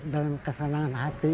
dan kesenangan hati